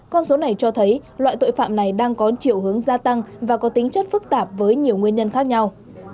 con số này cho thấy loại tội phạm này đang có chiều hướng gia tăng và có tính chất phức tạp với nhiều nguyên nhân khác nhau